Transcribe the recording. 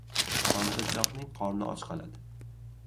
• Tortinchoqning qorni och qoladi.